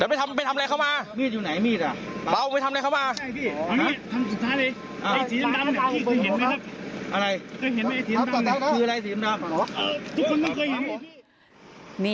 เอาไปทำไปทำอะไรเข้ามามิดอยู่ไหนมีดอ่ะมีดอยู่ไหน